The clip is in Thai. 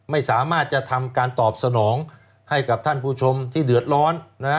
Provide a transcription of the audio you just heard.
ไม่สามารถจะทำการตอบสนองให้กับท่านผู้ชมที่เดือดร้อน